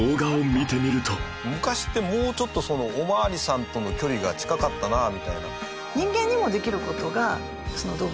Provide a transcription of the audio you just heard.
昔ってもうちょっとお巡りさんとの距離が近かったなみたいな。